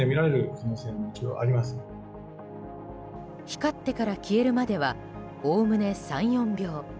光ってから消えるまではおおむね３４秒。